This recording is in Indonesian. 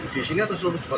di sini atau seluruh jepara